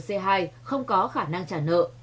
công ty alc hai không có khả năng trả nợ